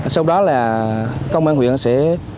sau đó là công an huyện sẽ